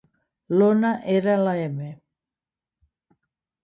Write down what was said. L'Ona era la m